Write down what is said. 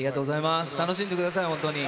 楽しんでください本当に。